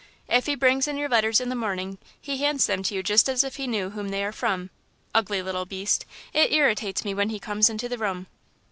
"If he brings in your letters in the morning he hands them to you just as if he knew whom they are from. Ugly little beast; it irritates me when he comes into the room."